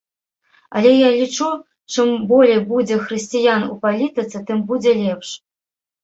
Але я лічу, чым болей будзе хрысціян у палітыцы, тым будзе лепш.